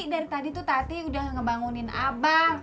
dari tadi tuh tati udah ngebangunin abang